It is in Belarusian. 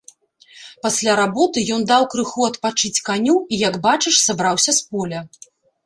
Пасля работы ён даў крыху адпачыць каню і як бачыш сабраўся з поля.